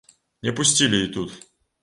Не пусцілі і тут.